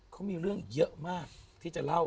เขามีเรื่องเยอะมากที่จะเล่า